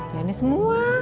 ya ini semua